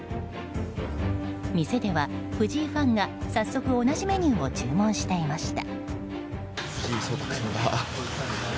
店では藤井ファンが早速、同じメニューを注文していました。